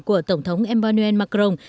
của tổng thống emmanuel macron